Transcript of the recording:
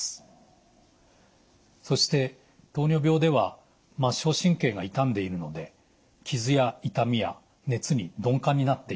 そして糖尿病では末梢神経が傷んでいるので傷や痛みや熱に鈍感になっています。